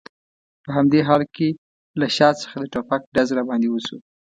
په همدې حال کې له شا څخه د ټوپک ډز را باندې وشو.